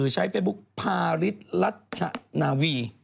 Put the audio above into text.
ใช้เฟย์บุ๊กภาริษรัชนาวี